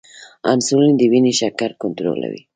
انسولین د وینې شکر کنټرولوي